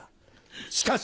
しかし！